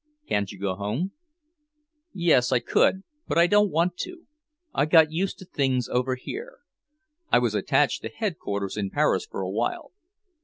"Can't you go home?" "Yes, I could. But I don't want to. I've got used to things over here. I was attached to Headquarters in Paris for awhile."